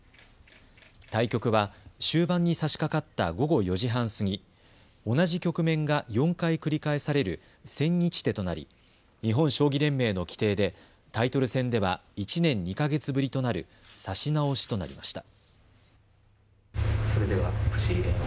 対局は終盤にさしかかった午後４時半過ぎ、同じ局面が４回繰り返される千日手となり日本将棋連盟の規定でタイトル戦では１年２か月ぶりとなる指し直しとなりました。